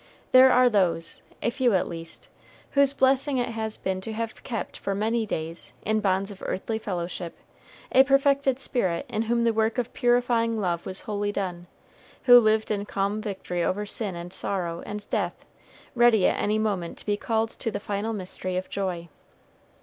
There are those (a few at least) whose blessing it has been to have kept for many days, in bonds of earthly fellowship, a perfected spirit in whom the work of purifying love was wholly done, who lived in calm victory over sin and sorrow and death, ready at any moment to be called to the final mystery of joy.